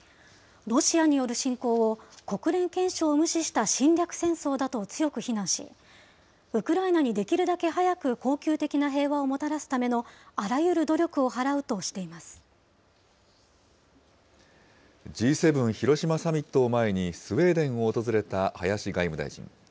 ロシアによる侵攻を国連憲章を無視した侵略戦争だと強く非難し、ウクライナにできるだけ早く恒久的な平和をもたらすためのあらゆＧ７広島サミットを前にスウェーデンを訪れた林外務大臣。